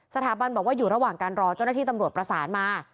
สถาบันบอกว่าอยู่ระหว่างการรอเจ้าหน้าที่ตำรวจประสานมา